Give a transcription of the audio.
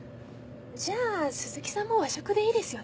じゃあ鈴木さんも和食でいいですよね。